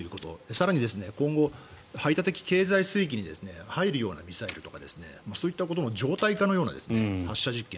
更に、今後排他的経済水域に入るようなミサイルですとかそういったことの常態化のような発射実験